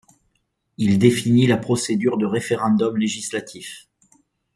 Il définit la procédure de référendum législatif.